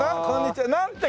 なんて